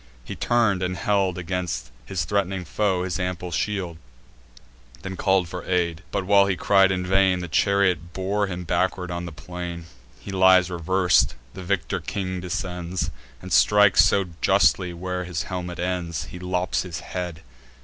He turn'd, and held Against his threat'ning foe his ample shield; Then call'd for aid: but, while he cried in vain, The chariot bore him backward on the plain. He lies revers'd; the victor king descends, And strikes so justly where his helmet ends, He lops the head.